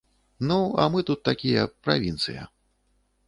Ну, а мы тут такія, правінцыя.